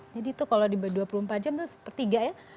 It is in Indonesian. jadi itu kalau di dua puluh empat jam itu sepertiga ya